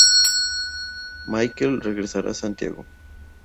Miquel regresará a Santiago.